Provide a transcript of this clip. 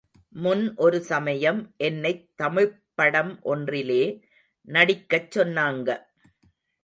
முன் ஒரு சமயம் என்னைத் தமிழ்ப் படம் ஒன்றிலே நடிக்கச் சொன்னாங்க.